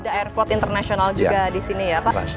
ada airport internasional juga di sini ya pak